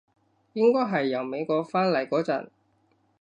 應該係由美國返嚟嗰陣